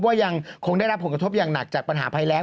ว่ายังคงได้รับผลกระทบอย่างหนักจากปัญหาภัยแรง